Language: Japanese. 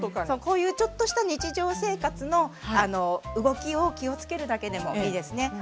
こういうちょっとした日常生活の動きを気を付けるだけでもいいですね。